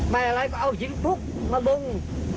แม่งก็เอาหิงฟุกมาลง